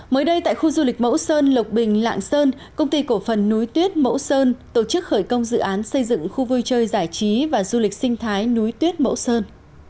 mới đây tại khu du lịch mẫu sơn lộc bình lạng sơn công ty cổ phần núi tuyết mẫu sơn tổ chức khởi công dự án xây dựng khu vui chơi giải trí và du lịch sinh thái núi tuyết mẫu sơn